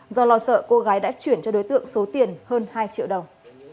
do lo sợ cô gái đã chuyển cho đối tượng số tiền hơn hai triệu đồng